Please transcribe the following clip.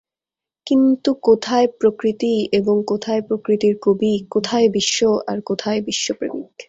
কিন্তু কোথায় প্রকৃতি এবং কোথায় প্রকৃতির কবি, কোথায় বিশ্ব আর কোথায় বিশ্বপ্রেমিক!